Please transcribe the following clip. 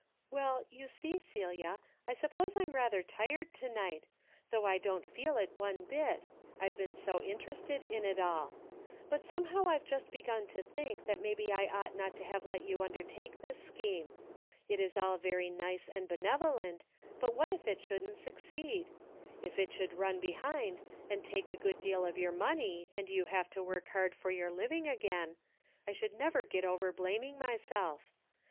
"Well, you see, Celia, I suppose I'm rather tired to night, though I don't feel it one bit, I've been so interested in it all. But somehow I've just begun to think that maybe I ought not to have let you undertake this scheme. It is all very nice and benevolent, but what if it shouldn't succeed ? If it should run behind and take a good deal of your money and you have to Avork hard for your living again, I should never get over blaming myself.